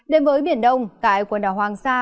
đến với biển đông tại quần đảo hoàng sa